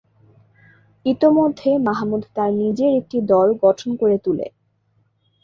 ইতোমধ্যে মাহমুদ তার নিজের একটি দল গঠন করে তুলে।